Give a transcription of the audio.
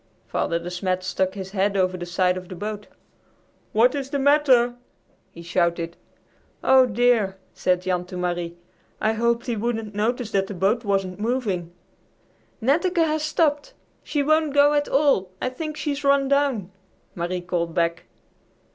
Father De Smet stuck his head over the side of the boat. "What is the matter?" he shouted. "Oh, dear!" said Jan to Marie. "I hoped he wouldn't notice that the boat wasn't moving." "Netteke has stopped. She won't go at all. I think she's run down!" Marie called back.